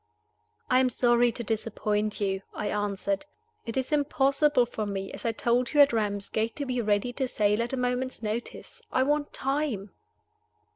"I am sorry to disappoint you," I answered. "It is impossible for me (as I told you at Ramsgate) to be ready to sail at a moment's notice. I want time."